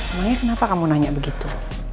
sebenarnya kenapa kamu nanya begitu